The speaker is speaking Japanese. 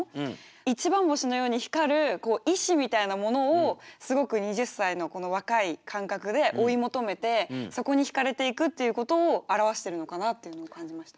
一番星のように光る意志みたいなものをすごく二十歳の若い感覚で追い求めてそこにひかれていくっていうことを表してるのかなっていうふうに感じました。